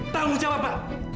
tanggung jawab mbak